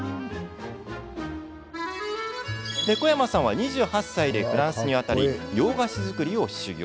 小山さんは２８歳でフランスに渡り洋菓子作りを修業。